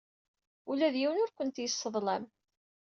Ula d yiwen ur kent-yesseḍlam.